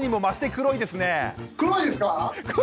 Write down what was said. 黒いですね。